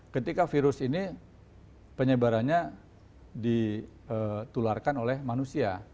ketika virus ini penyebarannya ditularkan oleh manusia